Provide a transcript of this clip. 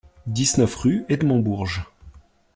dix-neuf rue Edmond Bourges